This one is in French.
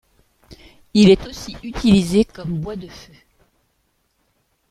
Il est aussi utilisé comme bois de feu.